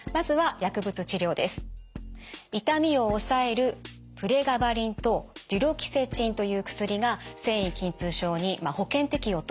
痛みを抑えるプレガバリンとデュロキセチンという薬が線維筋痛症に保険適用となっています。